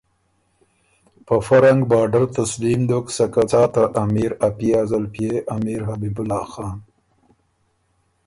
په فۀ رنګ بارډر تسلیم دوک سکه څا ته امیر ا پئے ا زلپئے امیرحبیب الله خان